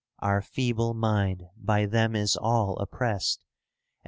Our feeble mind by them is all opprest, Convito.